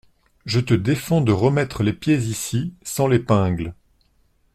Je te défends de remettre les pieds ici sans l’épingle !